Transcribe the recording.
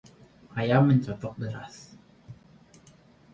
ayam mencotok beras